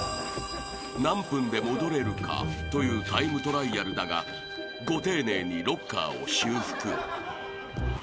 ［何分で戻れるかというタイムトライアルだがロッカーを］